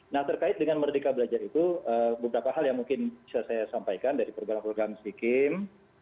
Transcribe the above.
nah terkait dengan merdeka belajar itu beberapa hal yang mungkin bisa saya sampaikan dari program program vikim